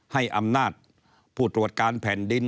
ให้อำนาจผู้ตรวจการแผ่นดิน